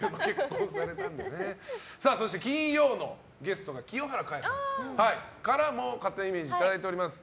そして金曜のゲストの清原果耶さんからも勝手なイメージいただいています。